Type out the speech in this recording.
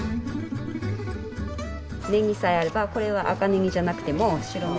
ねぎさえあればこれは赤ねぎじゃなくても白ねぎでも。